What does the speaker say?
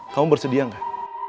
kamu bersedia gak